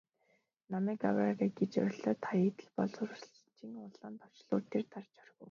Намайг авраарай гэж орилоод Хаягдал боловсруулагчийн улаан товчлуур дээр дарж орхив.